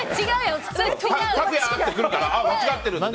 拓哉！って来るから間違ってるよって。